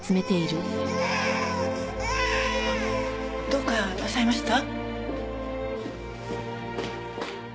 どうかなさいました？